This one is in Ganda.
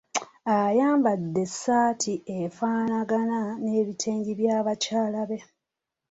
Ayambadde essaati efaanagana n'ebitengi bya bakyala be.